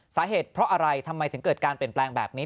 สาเหตุเพราะอะไรทำไมถึงเกิดการเปลี่ยนแปลงแบบนี้